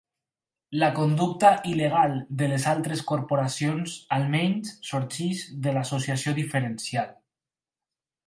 La conducta il·legal de les altres corporacions almenys sorgeix de l'associació diferencial.